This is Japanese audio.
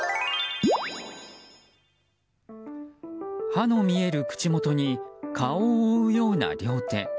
歯の見える口元に顔を覆うような両手。